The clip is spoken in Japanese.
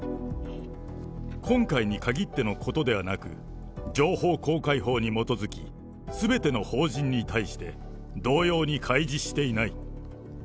今回に限ってのことではなく、情報公開法に基づき、すべての法人に対して、同様に開示していない。